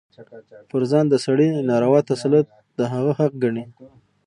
پر ځان د سړي ناروا تسلط د هغه حق ګڼي.